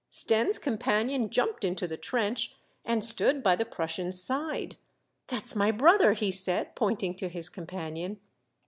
Stenne's companion jumped into the trench and stood by the Prussian's side. " That 's my brother," he said, pointing to his companion.